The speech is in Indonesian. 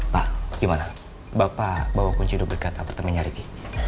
pak gimana bapak bawa kunci hidup dekat apartemennya riki